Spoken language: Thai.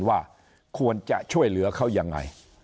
ว่าควรจะช่วยเหลือเขายังไง